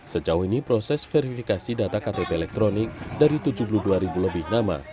sejauh ini proses verifikasi data ktp elektronik dari tujuh puluh dua ribu lebih nama